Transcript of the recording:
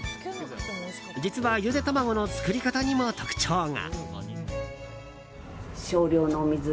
実は、ゆで卵の作り方にも特徴が。